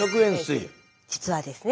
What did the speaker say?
実はですね